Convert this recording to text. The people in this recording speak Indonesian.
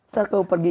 saat kamu pergi